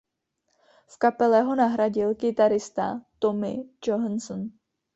V kapele ho nahradil kytarista Tommy Johansson.